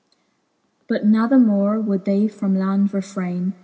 But nathemore would they from land refraine.